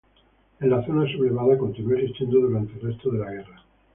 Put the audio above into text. En la zona sublevada continuó existiendo durante el resto de la guerra.